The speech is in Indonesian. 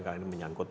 karena ini menyangkut